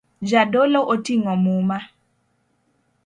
Jadolo oting'o muma